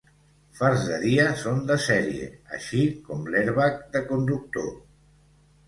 Fars de dia són de sèrie, així com l'airbag de conductor.